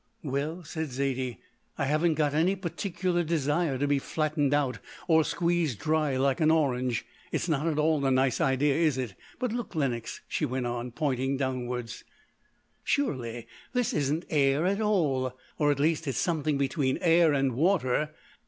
"Well," said Zaidie, "I haven't got any particular desire to be flattened out, or squeezed dry like an orange. It's not at all a nice idea, is it? But look, Lenox," she went on, pointing downwards, "surely this isn't air at all, or at least it's something between air and water.